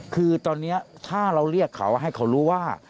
คือตอนนี้ถ้าเราเรียกเขาให้เขารู้ว่า